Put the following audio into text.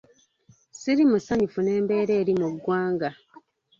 Siri musanyufu n'embeera eri mu ggwanga.